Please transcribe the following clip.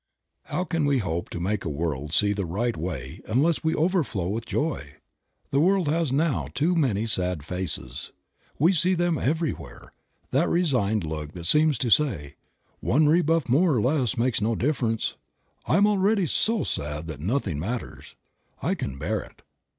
TTOW can we hope to make the world see the right way unless we overflow with joy? The world has now too many sad faces. We see them everywhere, that resigned look that seems to say, "One rebuff more or less makes no difference ; I am already so sad that nothing matters ; I can bear it."